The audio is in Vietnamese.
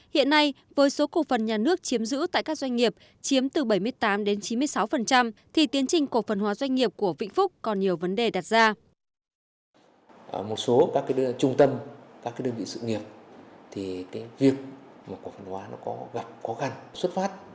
hiện nay với số cổ phần nhà nước chiếm giữ tại các doanh nghiệp chiếm từ bảy mươi tám đến chín mươi sáu thì tiến trình cổ phần hóa doanh nghiệp của vĩnh phúc còn nhiều vấn đề đặt ra